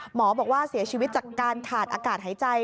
หมอบอกว่าเสียชีวิตจากการขาดอากาศหายใจ